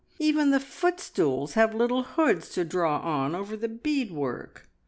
Even the footstools have little hoods to draw on over the beadwork.